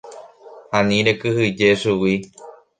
Ani rekyhyje chugui.